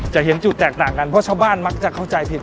เห็นจุดแตกต่างกันเพราะชาวบ้านมักจะเข้าใจผิด